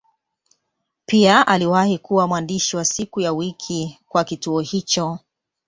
Pia aliwahi kuwa mwandishi wa siku ya wiki kwa kituo hicho.